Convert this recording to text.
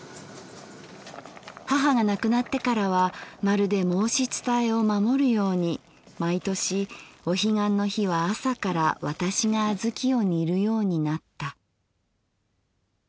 母がなくなってからはまるで申し伝えを守るように毎年お彼岸の日は朝から私が小豆を煮るようになった」。